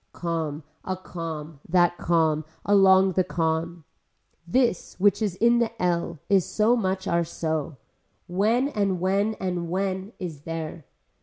Calm, a calm, that calm, along the calm. This which is in the ell is so much are so. When and when and when is there.